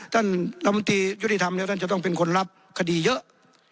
ลำตียุติธรรมเนี่ยท่านจะต้องเป็นคนรับคดีเยอะ